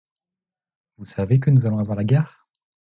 Vous savez que nous allons avoir la guerre?